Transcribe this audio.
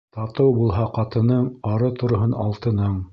Татыу булһа ҡатының, ары торһон алтының.